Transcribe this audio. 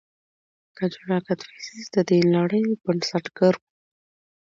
کجولا کدفیسس د دې لړۍ بنسټګر و